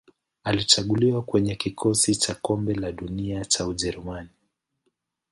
Alichaguliwa kwenye kikosi cha Kombe la Dunia cha Ujerumani.